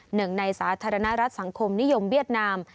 หนึ่งในสาธารณรัฐสังคมนิยมเวียดนาม